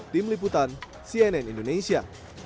tim liputan cnn indonesia